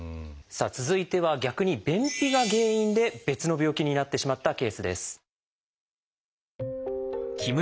さあ続いては逆に便秘が原因で別の病気になってしまったケースです。